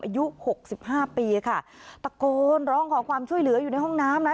อายุหกสิบห้าปีค่ะตะโกนร้องขอความช่วยเหลืออยู่ในห้องน้ำนะ